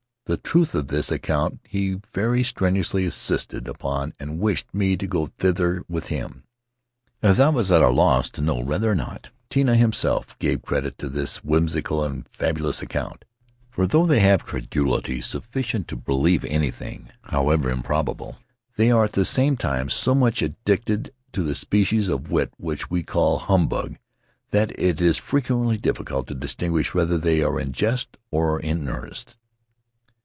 The truth of this account he very strenuously insisted upon and wished me to go thither with him. I was at a loss to know whether or not Tinah himself gave credit to this whimsical and fabulous account; for though they have credulity sufficient to believe anything, however im probable, they are at the same time so much addicted to that species of wit which we call humbug that it is frequently difficult to distinguish whether they are in jest or in earnest."